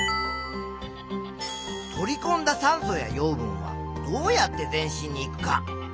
「取りこんだ酸素や養分はどうやって全身にいく」か？